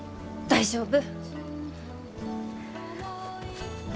大丈夫。